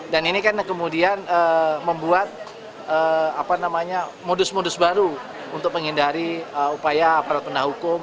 dan ini kan kemudian membuat modus modus baru untuk menghindari upaya aparat pendah hukum